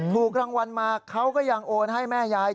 ถูกรางวัลมาเขาก็ยังโอนให้แม่ยาย